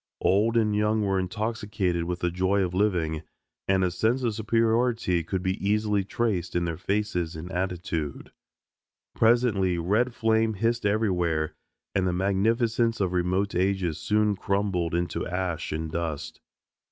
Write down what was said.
Old and young were intoxicated with the joy of living, and a sense of superiority could be easily traced in their faces and attitude. Presently red flame hissed everywhere, and the magnificence of remote ages soon crumbled into ash and dust.